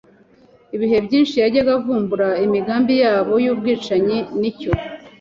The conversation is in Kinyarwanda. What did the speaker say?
Ibihe byinshi yajyaga avumbura imigambi yabo y'ubwicanyi ni cyo